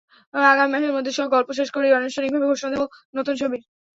আগামী মাসের মধ্যে গল্প শেষ করেই আনুষ্ঠানিকভাবে ঘোষণা দেব নতুন ছবির।